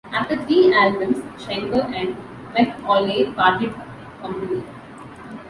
After three albums, Schenker and McAuley parted company.